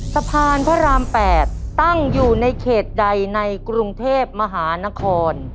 สะพานพระราม๘ตั้งอยู่ในเขตใดในกรุงเทพมหานคร